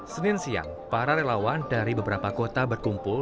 senin siang para relawan dari beberapa kota berkumpul